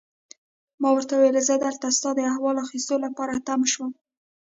ما ورته وویل: زه دلته ستا د احوال اخیستو لپاره تم شوم.